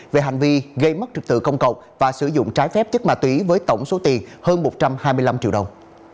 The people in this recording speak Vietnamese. về hành vi gây mất trực tự công cộng và sử dụng trái phép chất ma túy với tổng số tiền hơn một trăm hai mươi năm triệu đồng